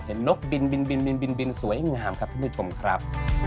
เห็นนกบินสวยงามครับทุกผู้ชมครับ